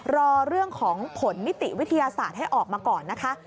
รอเรื่องของผลนิติวิทยาศาสตร์ให้ออกมาก่อนนะคะ